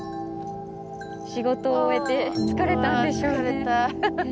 仕事を終えて疲れたんでしょうね。